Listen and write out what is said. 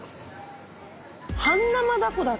半生ダコだって。